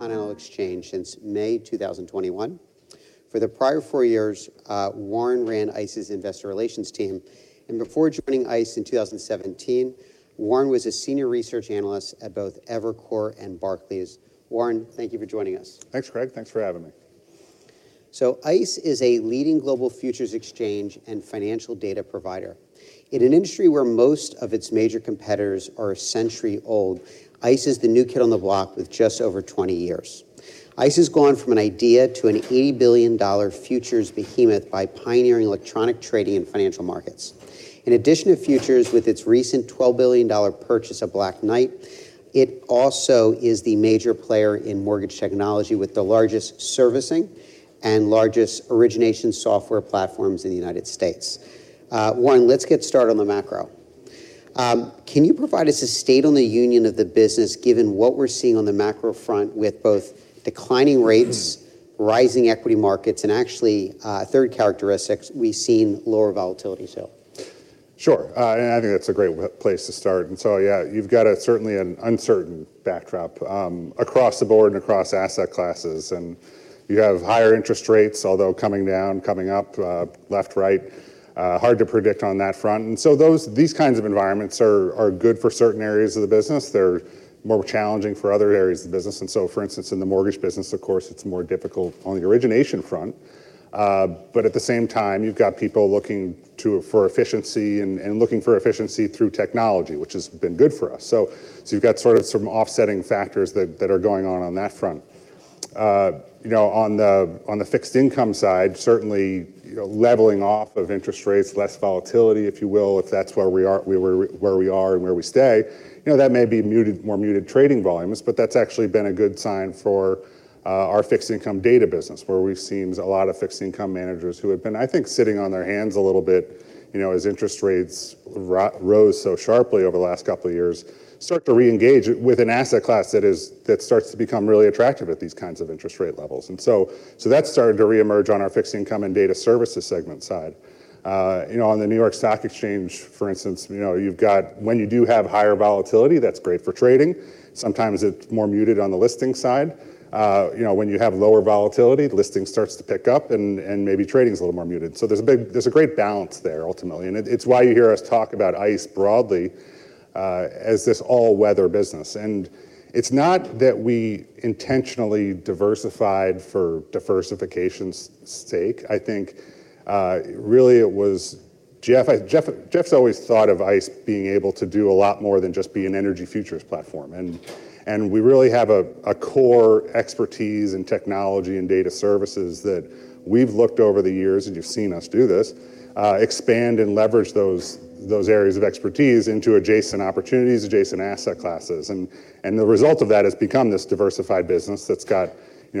Intercontinental Exchange since May 2021. For the prior four years, Warren ran ICE's investor relations team, and before joining ICE in 2017, Warren was a senior research analyst at both Evercore and Barclays. Warren, thank you for joining us. Thanks, Craig. Thanks for having me. So ICE is a leading global futures exchange and financial data provider. In an industry where most of its major competitors are a century old, ICE is the new kid on the block with just over 20 years. ICE has gone from an idea to an $80 billion futures behemoth by pioneering electronic trading and financial markets. In addition to futures with its recent $12 billion purchase of Black Knight, it also is the major player in mortgage technology with the largest servicing and largest origination software platforms in the United States. Warren, let's get started on the macro. Can you provide us a state of the union of the business given what we're seeing on the macro front with both declining rates, rising equity markets, and actually a third characteristic, we've seen lower volatility still? Sure. And I think that's a great place to start. And so, yeah, you've got certainly an uncertain backdrop across the board and across asset classes. And you have higher interest rates, although coming down, coming up, left, right, hard to predict on that front. And so these kinds of environments are good for certain areas of the business. They're more challenging for other areas of the business. And so, for instance, in the mortgage business, of course, it's more difficult on the origination front. But at the same time, you've got people looking for efficiency and looking for efficiency through technology, which has been good for us. So you've got sort of some offsetting factors that are going on on that front. On the fixed income side, certainly leveling off of interest rates, less volatility, if you will, if that's where we are and where we stay, that may be more muted trading volumes, but that's actually been a good sign for our fixed income data business where we've seen a lot of fixed income managers who had been, I think, sitting on their hands a little bit as interest rates rose so sharply over the last couple of years start to reengage with an asset class that starts to become really attractive at these kinds of interest rate levels. And so that's started to reemerge on our Fixed Income and Data Services segment side. On the New York Stock Exchange, for instance, you've got when you do have higher volatility, that's great for trading. Sometimes it's more muted on the listing side. When you have lower volatility, listing starts to pick up and maybe trading's a little more muted. So there's a great balance there ultimately. And it's why you hear us talk about ICE broadly as this all-weather business. And it's not that we intentionally diversified for diversification's sake. I think really it was Jeff's always thought of ICE being able to do a lot more than just be an energy futures platform. And we really have a core expertise in technology and data services that we've looked over the years, and you've seen us do this, expand and leverage those areas of expertise into adjacent opportunities, adjacent asset classes. And the result of that has become this diversified business that's got,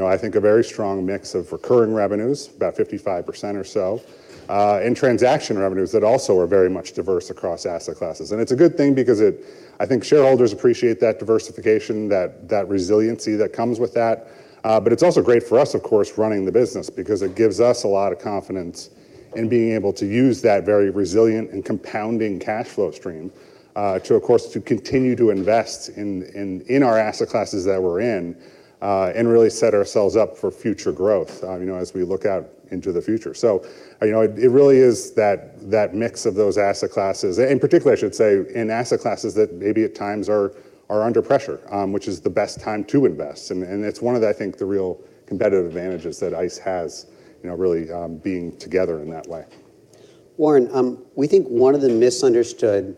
I think, a very strong mix of recurring revenues, about 55% or so, and transaction revenues that also are very much diverse across asset classes. It's a good thing because I think shareholders appreciate that diversification, that resiliency that comes with that. But it's also great for us, of course, running the business because it gives us a lot of confidence in being able to use that very resilient and compounding cash flow stream to, of course, continue to invest in our asset classes that we're in and really set ourselves up for future growth as we look out into the future. So it really is that mix of those asset classes, in particular, I should say, in asset classes that maybe at times are under pressure, which is the best time to invest. It's one of, I think, the real competitive advantages that ICE has really being together in that way. Warren, we think one of the misunderstood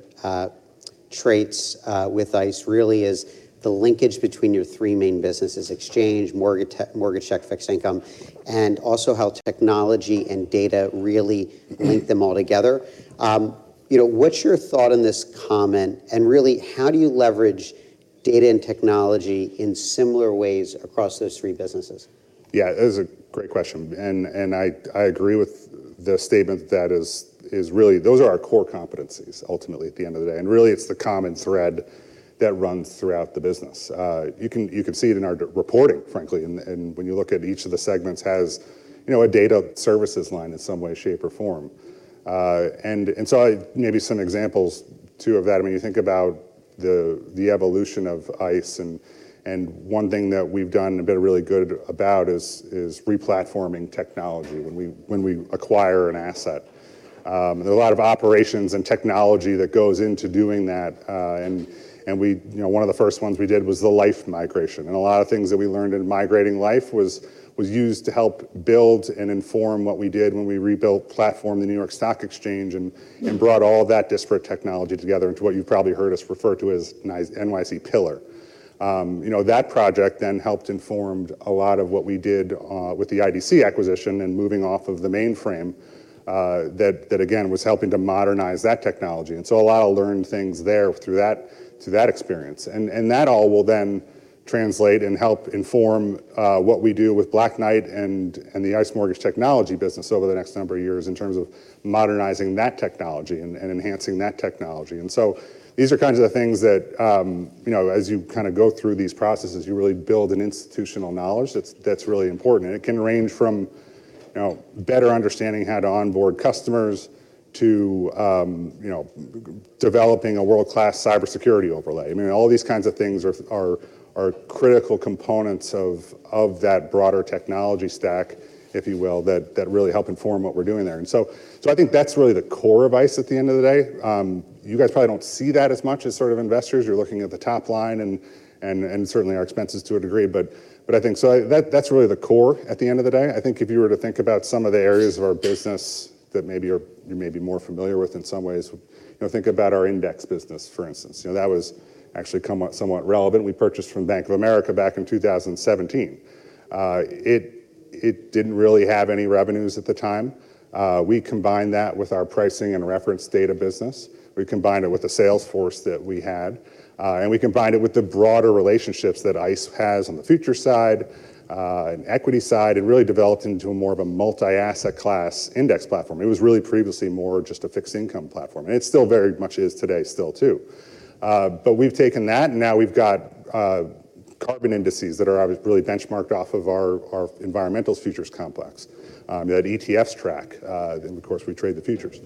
traits with ICE really is the linkage between your three main businesses, exchange, mortgage technology, fixed income, and also how technology and data really link them all together. What's your thought on this comment, and really how do you leverage data and technology in similar ways across those three businesses? Yeah, that is a great question. I agree with the statement that is really those are our core competencies ultimately at the end of the day. Really it's the common thread that runs throughout the business. You can see it in our reporting, frankly. When you look at each of the segments, has a data services line in some way, shape, or form. So maybe some examples too of that. I mean, you think about the evolution of ICE, and one thing that we've done and been really good about is replatforming technology when we acquire an asset. There are a lot of operations and technology that goes into doing that. One of the first ones we did was the Liffe migration. A lot of things that we learned in migrating Liffe was used to help build and inform what we did when we rebuilt the platform for the New York Stock Exchange and brought all of that disparate technology together into what you've probably heard us refer to as NYSE Pillar. That project then helped inform a lot of what we did with the IDC acquisition and moving off of the mainframe that, again, was helping to modernize that technology. A lot of learned things there through that experience. That all will then translate and help inform what we do with Black Knight and the ICE Mortgage Technology business over the next number of years in terms of modernizing that technology and enhancing that technology. And so these are kinds of the things that as you kind of go through these processes, you really build an institutional knowledge that's really important. It can range from better understanding how to onboard customers to developing a world-class cybersecurity overlay. I mean, all these kinds of things are critical components of that broader technology stack, if you will, that really help inform what we're doing there. And so I think that's really the core of ICE at the end of the day. You guys probably don't see that as much as sort of investors. You're looking at the top line and certainly our expenses to a degree. But I think so that's really the core at the end of the day. I think if you were to think about some of the areas of our business that maybe you're maybe more familiar with in some ways, think about our index business, for instance. That was actually somewhat relevant. We purchased from Bank of America back in 2017. It didn't really have any revenues at the time. We combined that with our pricing and reference data business. We combined it with the sales force that we had. And we combined it with the broader relationships that ICE has on the futures side and equity side and really developed into more of a multi-asset class index platform. It was really previously more just a fixed income platform. And it still very much is today still too. But we've taken that and now we've got carbon indices that are obviously really benchmarked off of our environmental futures complex, that ETFs track, and of course, we trade the futures.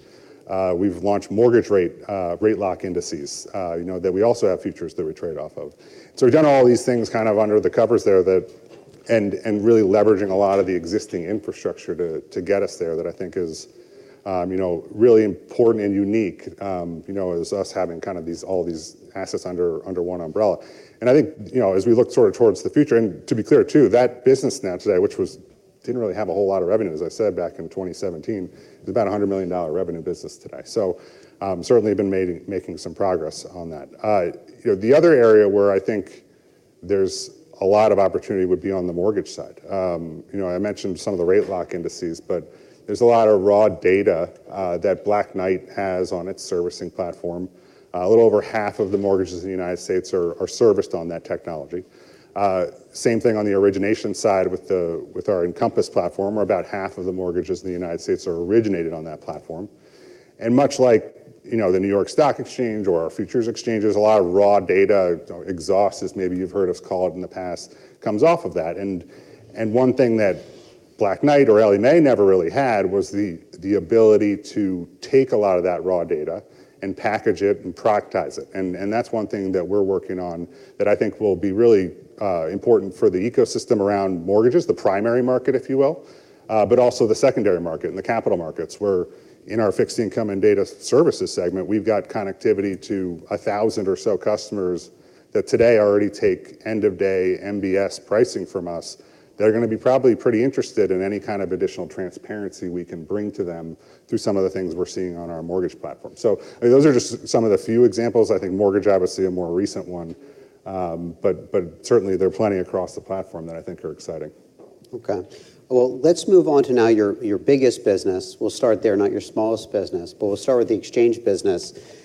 We've launched Mortgage Rate Lock Indices that we also have futures that we trade off of. So we've done all these things kind of under the covers there and really leveraging a lot of the existing infrastructure to get us there that I think is really important and unique as us having kind of all these assets under one umbrella. And I think as we look sort of towards the future, and to be clear too, that business now today, which didn't really have a whole lot of revenue, as I said back in 2017, is about a $100 million revenue business today. So certainly been making some progress on that. The other area where I think there's a lot of opportunity would be on the mortgage side. I mentioned some of the rate lock indices, but there's a lot of raw data that Black Knight has on its servicing platform. A little over half of the mortgages in the United States are serviced on that technology. Same thing on the origination side with our Encompass platform where about half of the mortgages in the United States are originated on that platform. And much like the New York Stock Exchange or our futures exchanges, a lot of raw data, exhaust as maybe you've heard us call it in the past, comes off of that. And one thing that Black Knight or Ellie Mae never really had was the ability to take a lot of that raw data and package it and productize it. That's one thing that we're working on that I think will be really important for the ecosystem around mortgages, the primary market, if you will, but also the secondary market and the capital markets where in our fixed income and data services segment, we've got connectivity to 1,000 or so customers that today already take end-of-day MBS pricing from us that are going to be probably pretty interested in any kind of additional transparency we can bring to them through some of the things we're seeing on our mortgage platform. Those are just some of the few examples. I think mortgage, obviously, a more recent one, but certainly there are plenty across the platform that I think are exciting. Okay. Well, let's move on to now your biggest business. We'll start there, not your smallest business, but we'll start with the exchange business.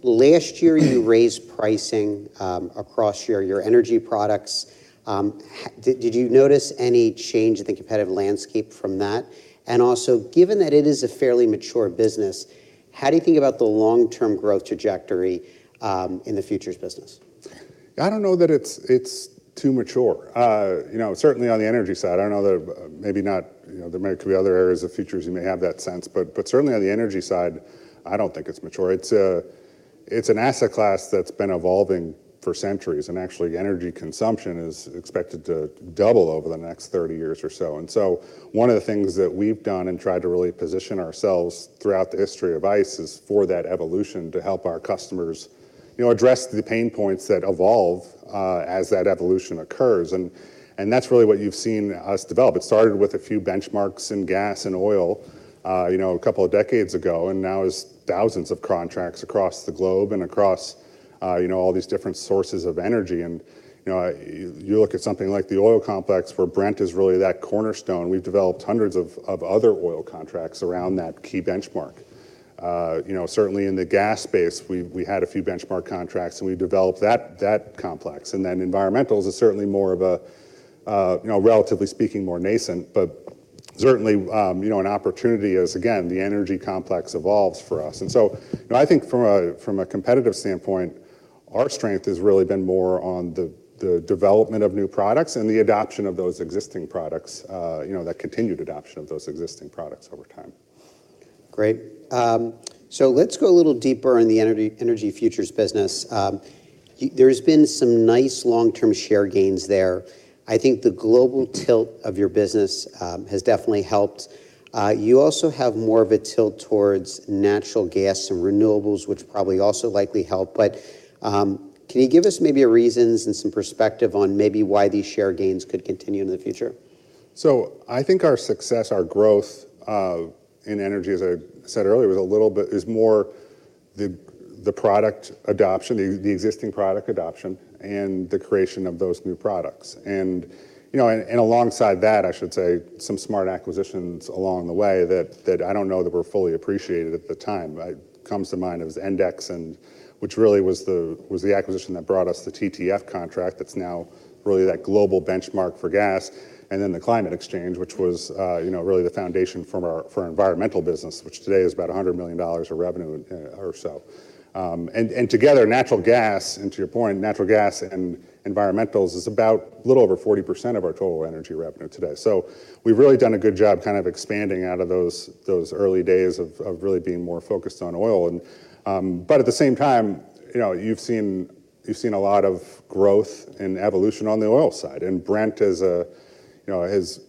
Last year you raised pricing across your energy products. Did you notice any change in the competitive landscape from that? And also given that it is a fairly mature business, how do you think about the long-term growth trajectory in the futures business? Yeah, I don't know that it's too mature. Certainly on the energy side, I don't know that maybe not there could be other areas of futures you may have that sense, but certainly on the energy side, I don't think it's mature. It's an asset class that's been evolving for centuries, and actually energy consumption is expected to double over the next 30 years or so. One of the things that we've done and tried to really position ourselves throughout the history of ICE is for that evolution to help our customers address the pain points that evolve as that evolution occurs. That's really what you've seen us develop. It started with a few benchmarks in gas and oil a couple of decades ago, and now is thousands of contracts across the globe and across all these different sources of energy. You look at something like the oil complex where Brent is really that cornerstone. We've developed hundreds of other oil contracts around that key benchmark. Certainly in the gas space, we had a few benchmark contracts and we developed that complex. Then environmental is certainly more of a, relatively speaking, more nascent, but certainly an opportunity as, again, the energy complex evolves for us. So I think from a competitive standpoint, our strength has really been more on the development of new products and the adoption of those existing products, that continued adoption of those existing products over time. Great. Let's go a little deeper in the energy futures business. There has been some nice long-term share gains there. I think the global tilt of your business has definitely helped. You also have more of a tilt towards natural gas and renewables, which probably also likely helped. Can you give us maybe reasons and some perspective on maybe why these share gains could continue in the future? So I think our success, our growth in energy, as I said earlier, is more the product adoption, the existing product adoption, and the creation of those new products. And alongside that, I should say, some smart acquisitions along the way that I don't know that were fully appreciated at the time. It comes to mind as Endex, which really was the acquisition that brought us the TTF contract that's now really that global benchmark for gas, and then the Climate Exchange, which was really the foundation for our environmental business, which today is about a $100 million of revenue or so. And together, natural gas, and to your point, natural gas and environmentals is about a little over 40% of our total energy revenue today. So we've really done a good job kind of expanding out of those early days of really being more focused on oil. But at the same time, you've seen a lot of growth and evolution on the oil side. And Brent has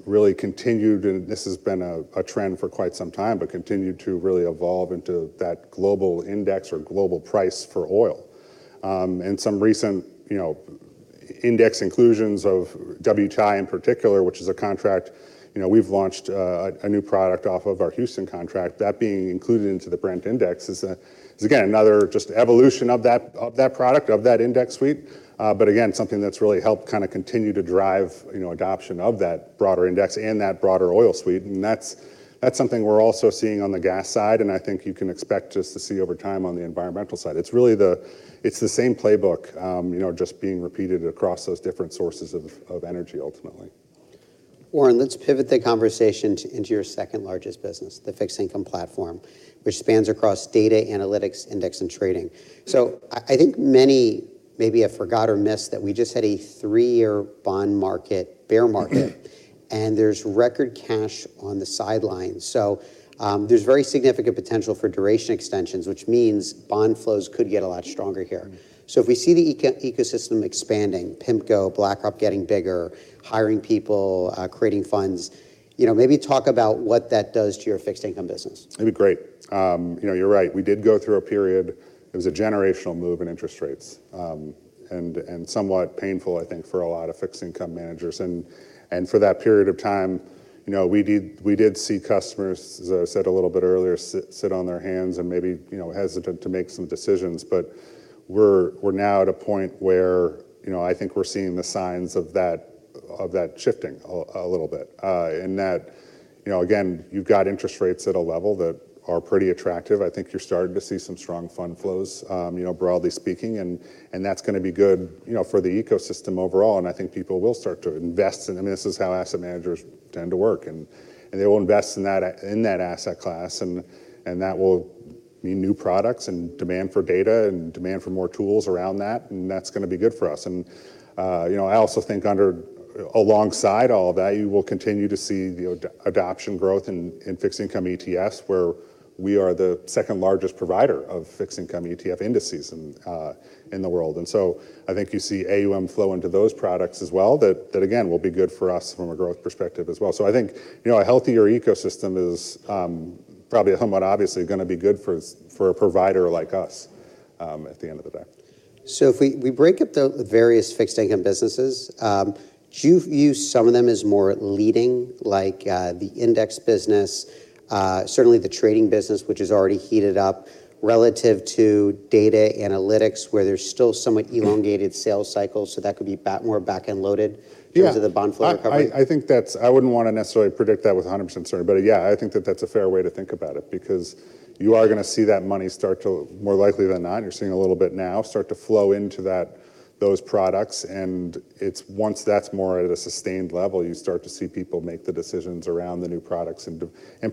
really continued, and this has been a trend for quite some time, but continued to really evolve into that global index or global price for oil. And some recent index inclusions of WTI in particular, which is a contract, we've launched a new product off of our Houston contract. That being included into the Brent Index is, again, another just evolution of that product, of that index suite, but again, something that's really helped kind of continue to drive adoption of that broader index and that broader oil suite. And that's something we're also seeing on the gas side, and I think you can expect us to see over time on the environmental side. It's the same playbook just being repeated across those different sources of energy ultimately. Warren, let's pivot the conversation into your second largest business, the fixed income platform, which spans across data, analytics, index, and trading. So I think many maybe have forgot or missed that we just had a three-year bond market, bear market, and there's record cash on the sidelines. So there's very significant potential for duration extensions, which means bond flows could get a lot stronger here. So if we see the ecosystem expanding, PIMCO, BlackRock getting bigger, hiring people, creating funds, maybe talk about what that does to your fixed income business. It'd be great. You're right. We did go through a period. It was a generational move in interest rates and somewhat painful, I think, for a lot of fixed income managers. And for that period of time, we did see customers, as I said a little bit earlier, sit on their hands and maybe hesitate to make some decisions. But we're now at a point where I think we're seeing the signs of that shifting a little bit. And that, again, you've got interest rates at a level that are pretty attractive. I think you're starting to see some strong fund flows, broadly speaking, and that's going to be good for the ecosystem overall. And I think people will start to invest in. I mean, this is how asset managers tend to work, and they will invest in that asset class. That will mean new products and demand for data and demand for more tools around that, and that's going to be good for us. I also think alongside all of that, you will continue to see the adoption growth in fixed income ETFs where we are the second largest provider of fixed income ETF indices in the world. So I think you see AUM flow into those products as well that, again, will be good for us from a growth perspective as well. I think a healthier ecosystem is probably somewhat obviously going to be good for a provider like us at the end of the day. So if we break up the various fixed income businesses, do you view some of them as more leading, like the index business, certainly the trading business, which is already heated up relative to data analytics where there's still somewhat elongated sales cycles? So that could be more backend loaded in terms of the bond flow recovery? Yeah. I wouldn't want to necessarily predict that with 100% certainty, but yeah, I think that that's a fair way to think about it because you are going to see that money start to, more likely than not, and you're seeing a little bit now, start to flow into those products. And once that's more at a sustained level, you start to see people make the decisions around the new products and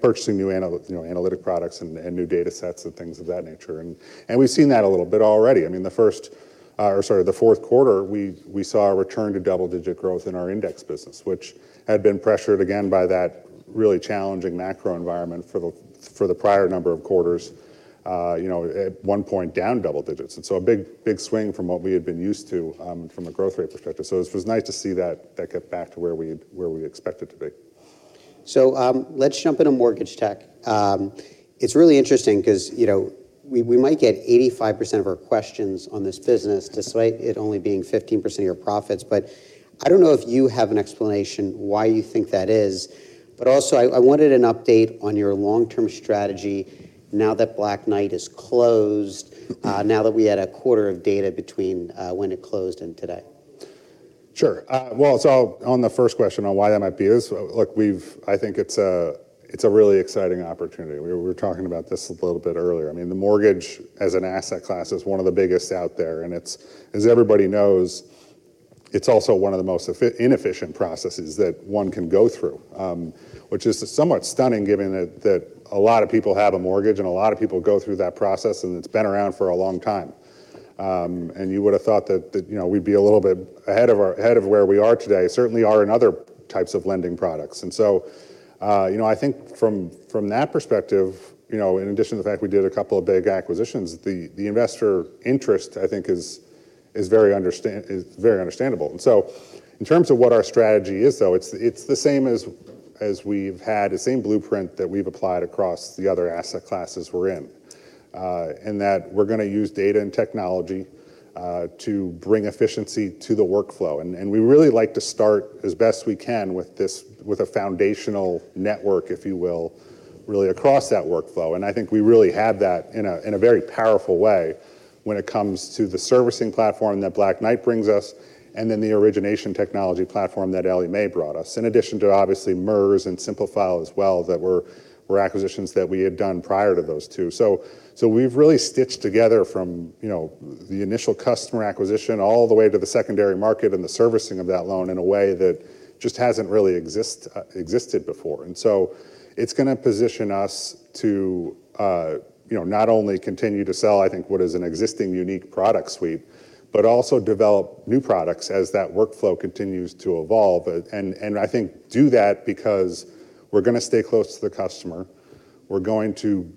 purchasing new analytic products and new data sets and things of that nature. And we've seen that a little bit already. I mean, the first, or sorry, the fourth quarter, we saw a return to double-digit growth in our index business, which had been pressured again by that really challenging macro environment for the prior number of quarters, at one point down double-digits. And so a big swing from what we had been used to from a growth rate perspective. So it was nice to see that get back to where we expected to be. So let's jump into mortgage tech. It's really interesting because we might get 85% of our questions on this business despite it only being 15% of your profits. But I don't know if you have an explanation why you think that is. But also I wanted an update on your long-term strategy now that Black Knight is closed, now that we had a quarter of data between when it closed and today. Sure. Well, so on the first question on why that might be is, look, I think it's a really exciting opportunity. We were talking about this a little bit earlier. I mean, the mortgage as an asset class is one of the biggest out there. And as everybody knows, it's also one of the most inefficient processes that one can go through, which is somewhat stunning given that a lot of people have a mortgage and a lot of people go through that process and it's been around for a long time. And you would have thought that we'd be a little bit ahead of where we are today, certainly are in other types of lending products. And so I think from that perspective, in addition to the fact we did a couple of big acquisitions, the investor interest, I think, is very understandable. In terms of what our strategy is though, it's the same as we've had, the same blueprint that we've applied across the other asset classes we're in, in that we're going to use data and technology to bring efficiency to the workflow. We really like to start as best we can with a foundational network, if you will, really across that workflow. I think we really had that in a very powerful way when it comes to the servicing platform that Black Knight brings us and then the origination technology platform that Ellie Mae brought us, in addition to obviously MERS and Simplifile as well that were acquisitions that we had done prior to those two. So we've really stitched together from the initial customer acquisition all the way to the secondary market and the servicing of that loan in a way that just hasn't really existed before. It's going to position us to not only continue to sell, I think, what is an existing unique product suite, but also develop new products as that workflow continues to evolve. I think do that because we're going to stay close to the customer. We're going to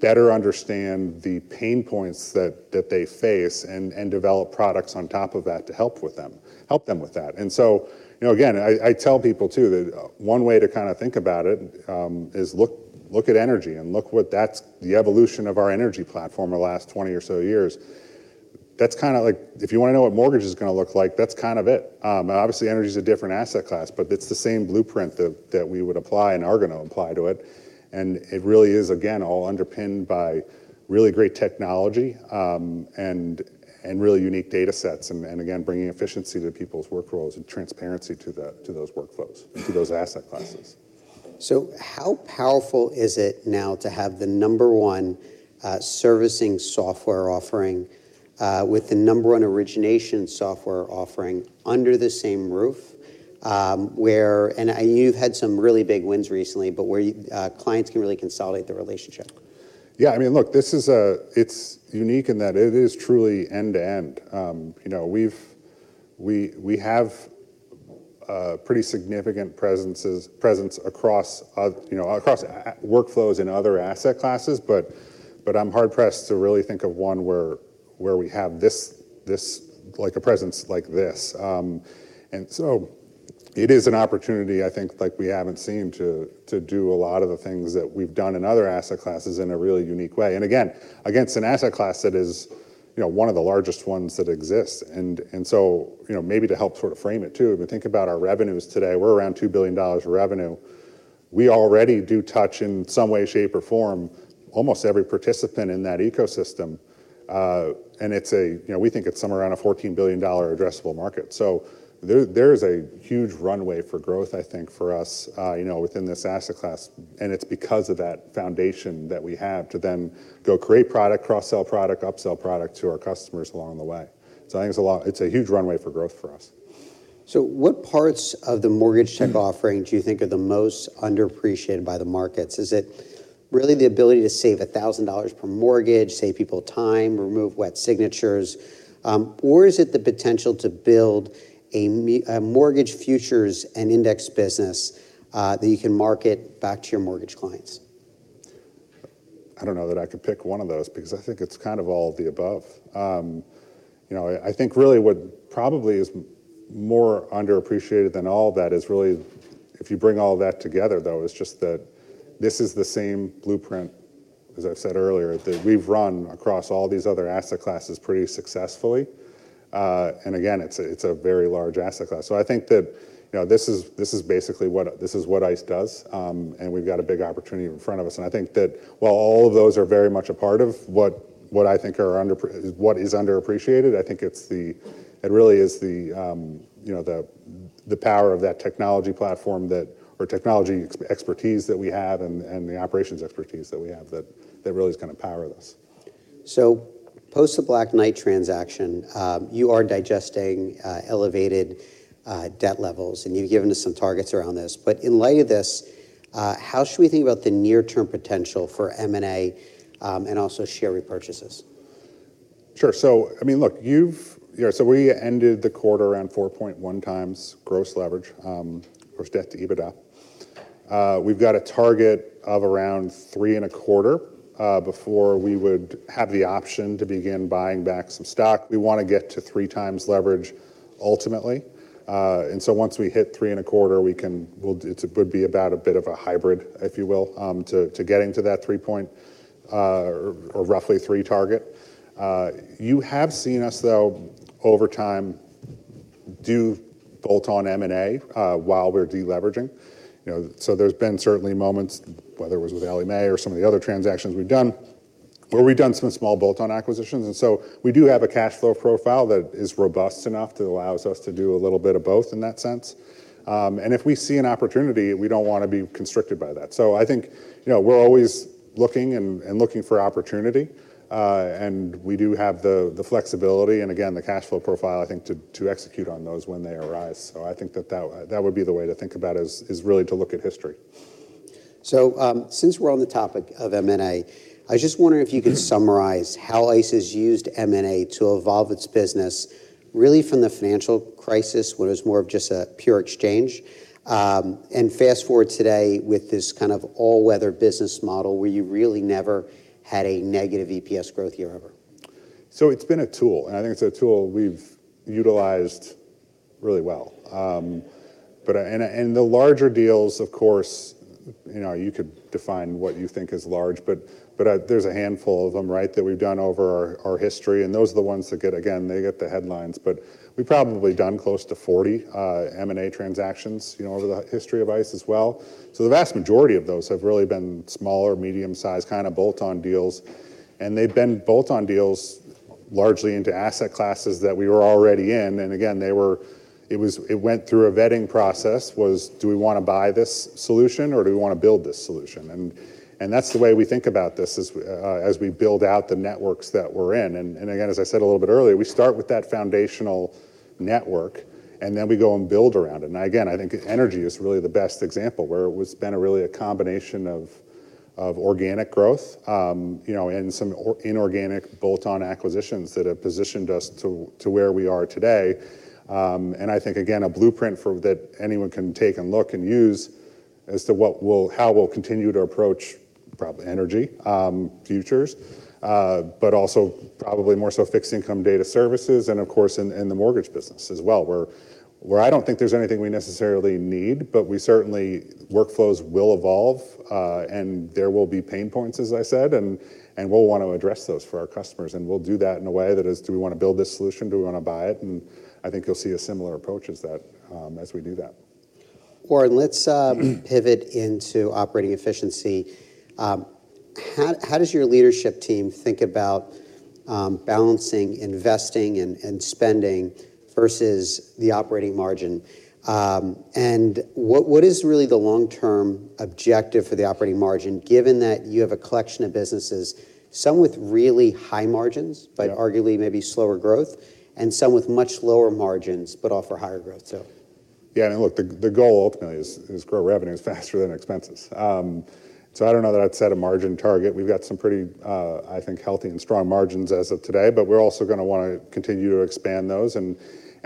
better understand the pain points that they face and develop products on top of that to help them with that. Again, I tell people too that one way to kind of think about it is look at energy and look what that's the evolution of our energy platform over the last 20 or so years. That's kind of like, if you want to know what mortgage is going to look like, that's kind of it. Obviously, energy is a different asset class, but it's the same blueprint that we would apply and are going to apply to it. It really is, again, all underpinned by really great technology and really unique data sets and again, bringing efficiency to people's workflows and transparency to those workflows and to those asset classes. How powerful is it now to have the number one servicing software offering with the number one origination software offering under the same roof, and you've had some really big wins recently, but where clients can really consolidate the relationship? Yeah. I mean, look, it's unique in that it is truly end-to-end. We have pretty significant presence across workflows in other asset classes, but I'm hard-pressed to really think of one where we have this like a presence like this. And so it is an opportunity, I think, like we haven't seen to do a lot of the things that we've done in other asset classes in a really unique way. And again, against an asset class that is one of the largest ones that exists. And so maybe to help sort of frame it too, if we think about our revenues today, we're around $2 billion of revenue. We already do touch in some way, shape, or form almost every participant in that ecosystem. And we think it's somewhere around a $14 billion addressable market. There is a huge runway for growth, I think, for us within this asset class. It's because of that foundation that we have to then go create product, cross-sell product, upsell product to our customers along the way. I think it's a huge runway for growth for us. What parts of the mortgage tech offering do you think are the most underappreciated by the markets? Is it really the ability to save $1,000 per mortgage, save people time, remove wet signatures, or is it the potential to build a mortgage futures and index business that you can market back to your mortgage clients? I don't know that I could pick one of those because I think it's kind of all of the above. I think really what probably is more underappreciated than all of that is really if you bring all of that together though, it's just that this is the same blueprint, as I've said earlier, that we've run across all these other asset classes pretty successfully. And again, it's a very large asset class. So I think that this is basically what ICE does, and we've got a big opportunity in front of us. And I think that while all of those are very much a part of what I think is underappreciated, I think it really is the power of that technology platform or technology expertise that we have and the operations expertise that we have that really is going to power this. Post the Black Knight transaction, you are digesting elevated debt levels, and you've given us some targets around this. But in light of this, how should we think about the near-term potential for M&A and also share repurchases? Sure. So I mean, look, so we ended the quarter around 4.1x gross leverage, gross debt to EBITDA. We've got a target of around 3.25x before we would have the option to begin buying back some stock. We want to get to 3x leverage ultimately. And so once we hit 3.25x, it would be about a bit of a hybrid, if you will, to getting to that 3.0x or roughly 3x target. You have seen us though over time do bolt-on M&A while we're deleveraging. So there's been certainly moments, whether it was with Ellie Mae or some of the other transactions we've done, where we've done some small bolt-on acquisitions. And so we do have a cash flow profile that is robust enough to allow us to do a little bit of both in that sense. And if we see an opportunity, we don't want to be constricted by that. So I think we're always looking and looking for opportunity, and we do have the flexibility and again, the cash flow profile, I think, to execute on those when they arise. So I think that that would be the way to think about it is really to look at history. So since we're on the topic of M&A, I just wonder if you could summarize how ICE has used M&A to evolve its business really from the financial crisis when it was more of just a pure exchange and fast forward today with this kind of all-weather business model where you really never had a negative EPS growth year over? So it's been a tool, and I think it's a tool we've utilized really well. And the larger deals, of course, you could define what you think is large, but there's a handful of them, right, that we've done over our history. And those are the ones that get, again, they get the headlines, but we've probably done close to 40 M&A transactions over the history of ICE as well. So the vast majority of those have really been smaller, medium-sized kind of bolt-on deals. And they've been bolt-on deals largely into asset classes that we were already in. And again, it went through a vetting process, was do we want to buy this solution or do we want to build this solution? And that's the way we think about this as we build out the networks that we're in. And again, as I said a little bit earlier, we start with that foundational network and then we go and build around it. And again, I think energy is really the best example where it's been really a combination of organic growth and some inorganic bolt-on acquisitions that have positioned us to where we are today. And I think, again, a blueprint that anyone can take and look and use as to how we'll continue to approach probably energy futures, but also probably more so fixed income data services and of course in the mortgage business as well where I don't think there's anything we necessarily need, but we certainly, workflows will evolve and there will be pain points, as I said, and we'll want to address those for our customers. And we'll do that in a way that is, do we want to build this solution? Do we want to buy it? I think you'll see a similar approach as we do that. Warren, let's pivot into operating efficiency. How does your leadership team think about balancing investing and spending versus the operating margin? And what is really the long-term objective for the operating margin given that you have a collection of businesses, some with really high margins, but arguably maybe slower growth, and some with much lower margins, but offer higher growth too? Yeah. I mean, look, the goal ultimately is grow revenues faster than expenses. So I don't know that I'd set a margin target. We've got some pretty, I think, healthy and strong margins as of today, but we're also going to want to continue to expand those. And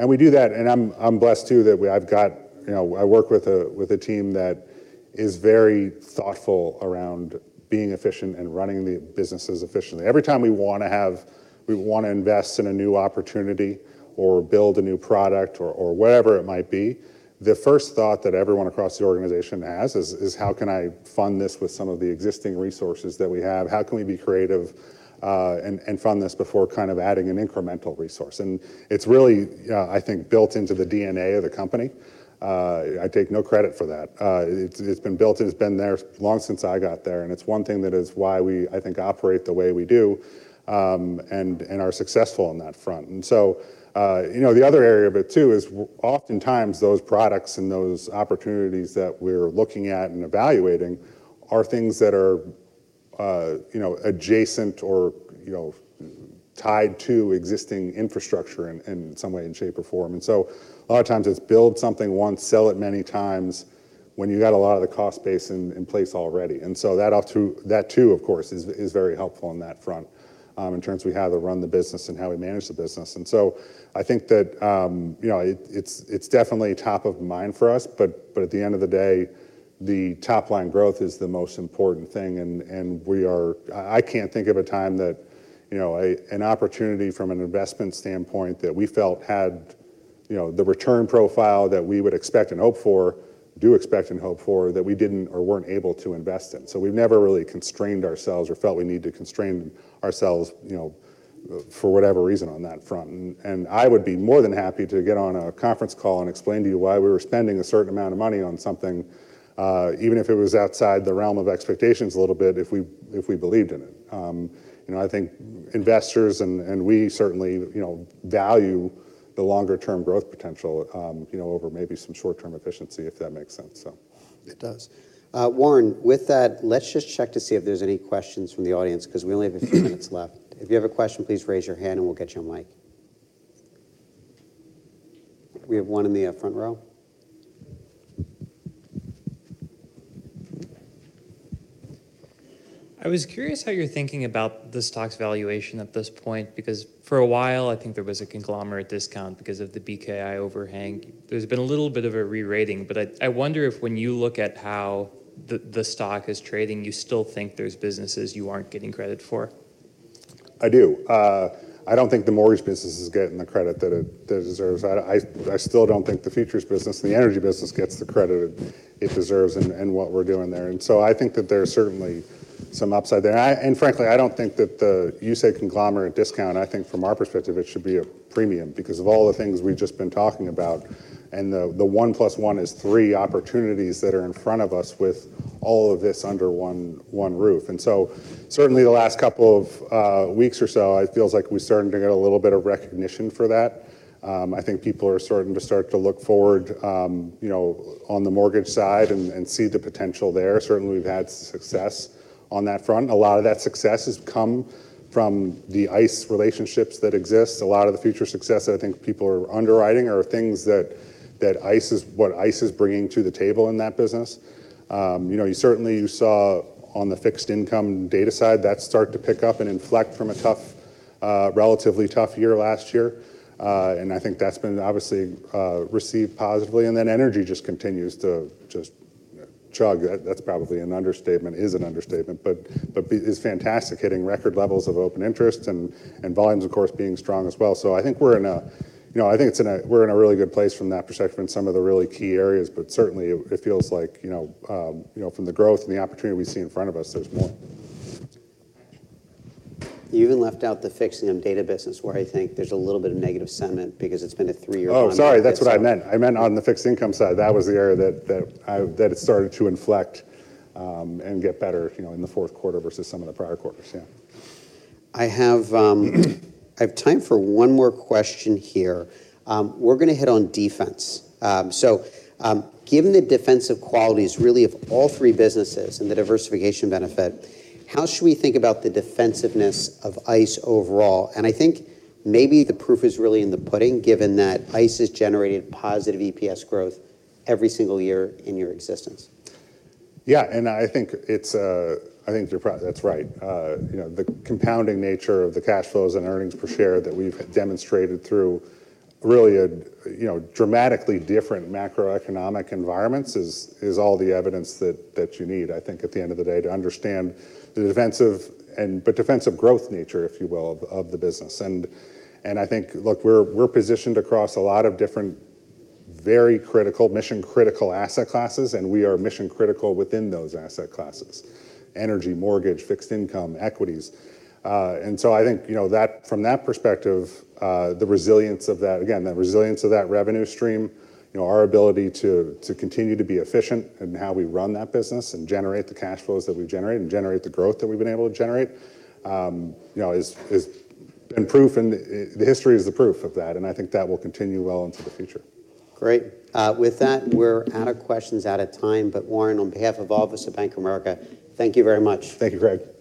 we do that. And I'm blessed too that I've got, I work with a team that is very thoughtful around being efficient and running the businesses efficiently. Every time we want to have, we want to invest in a new opportunity or build a new product or whatever it might be, the first thought that everyone across the organization has is how can I fund this with some of the existing resources that we have? How can we be creative and fund this before kind of adding an incremental resource? And it's really, I think, built into the DNA of the company. I take no credit for that. It's been built and it's been there long since I got there. It's one thing that is why we, I think, operate the way we do and are successful on that front. The other area of it too is oftentimes those products and those opportunities that we're looking at and evaluating are things that are adjacent or tied to existing infrastructure in some way, in shape, or form. A lot of times it's build something once, sell it many times when you've got a lot of the cost base in place already. That too, of course, is very helpful on that front in terms of how to run the business and how we manage the business. I think that it's definitely top of mind for us, but at the end of the day, the top line growth is the most important thing. I can't think of a time that an opportunity from an investment standpoint that we felt had the return profile that we would expect and hope for, do expect and hope for, that we didn't or weren't able to invest in. We've never really constrained ourselves or felt we need to constrain ourselves for whatever reason on that front. I would be more than happy to get on a conference call and explain to you why we were spending a certain amount of money on something, even if it was outside the realm of expectations a little bit, if we believed in it. I think investors and we certainly value the longer-term growth potential over maybe some short-term efficiency, if that makes sense, so. It does. Warren, with that, let's just check to see if there's any questions from the audience because we only have a few minutes left. If you have a question, please raise your hand and we'll get you on mic. We have one in the front row. I was curious how you're thinking about the stock's valuation at this point because for a while, I think there was a conglomerate discount because of the BKI overhang. There's been a little bit of a rerating, but I wonder if when you look at how the stock is trading, you still think there's businesses you aren't getting credit for? I do. I don't think the mortgage business is getting the credit that it deserves. I still don't think the futures business and the energy business gets the credit it deserves and what we're doing there. And so I think that there's certainly some upside there. And frankly, I don't think that the, you said conglomerate discount. I think from our perspective, it should be a premium because of all the things we've just been talking about and the 1 + 1 = 3 opportunities that are in front of us with all of this under one roof. And so certainly the last couple of weeks or so, it feels like we're starting to get a little bit of recognition for that. I think people are starting to start to look forward on the mortgage side and see the potential there. Certainly, we've had success on that front. A lot of that success has come from the ICE relationships that exist. A lot of the future success that I think people are underwriting are things that ICE is bringing to the table in that business. Certainly, you saw on the fixed income data side, that started to pick up and inflect from a relatively tough year last year. And I think that's been obviously received positively. And then energy just continues to just chug. That's probably an understatement, is an understatement, but is fantastic hitting record levels of open interest and volumes, of course, being strong as well. So I think we're in a really good place from that perspective in some of the really key areas, but certainly it feels like from the growth and the opportunity we see in front of us, there's more. You even left out the fixed income data business where I think there's a little bit of negative sentiment because it's been a three-year bond. Oh, sorry. That's what I meant. I meant on the fixed income side. That was the area that it started to inflect and get better in the fourth quarter versus some of the prior quarters. Yeah. I have time for one more question here. We're going to hit on defense. So given the defensive qualities really of all three businesses and the diversification benefit, how should we think about the defensiveness of ICE overall? And I think maybe the proof is really in the pudding given that ICE has generated positive EPS growth every single year in your existence. Yeah. And I think you're right. The compounding nature of the cash flows and earnings per share that we've demonstrated through really a dramatically different macroeconomic environments is all the evidence that you need, I think, at the end of the day to understand the defensive, but defensive growth nature, if you will, of the business. And I think, look, we're positioned across a lot of different very critical, mission-critical asset classes, and we are mission-critical within those asset classes: energy, mortgage, fixed income, equities. And so I think from that perspective, the resilience of that, again, the resilience of that revenue stream, our ability to continue to be efficient and how we run that business and generate the cash flows that we've generated and generate the growth that we've been able to generate has been proof, and the history is the proof of that. I think that will continue well into the future. Great. With that, we're out of questions out of time. But Warren, on behalf of all of us at Bank of America, thank you very much. Thank you, Craig.